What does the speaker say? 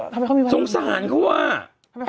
ทรงสารเขาว่า